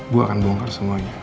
gue akan buangkan semuanya